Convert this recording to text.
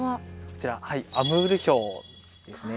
こちらアムールヒョウですね。